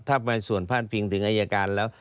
ถ้าบางส่วนพาดพิงถึงอายการแล้ว